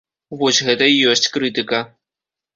Вось гэта і ёсць крытыка.